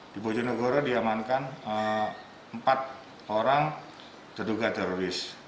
di bojonegoro diamankan empat orang terduga teroris